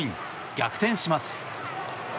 逆転します。